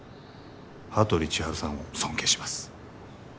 羽鳥千晴さんを尊敬します